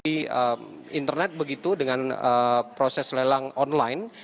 di internet begitu dengan proses lelang online